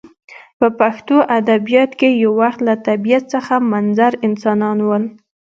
په پښتو ادبیاتو کښي یو وخت له طبیعت څخه منظر انسانان ول.